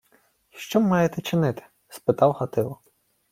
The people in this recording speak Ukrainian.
— Й що маєте чинити? — спитав Гатило.